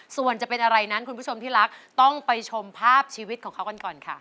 ส่วนจะเป็นอะไรนั้นคุณผู้ชมที่รักต้องไปชมภาพชีวิตของเขากันก่อนค่ะ